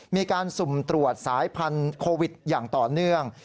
มีการสุ่มตรวจสายพันธุ์โควิดอย่างต่อเนื่อง